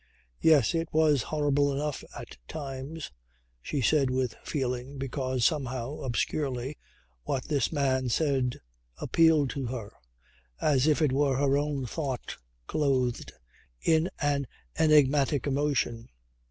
"Yes. It was horrible enough at times," she said with feeling, because somehow, obscurely, what this man said appealed to her as if it were her own thought clothed in an enigmatic emotion.